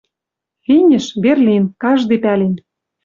Финиш — Берлин, каждый пӓлен